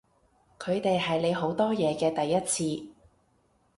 佢哋係你好多嘢嘅第一次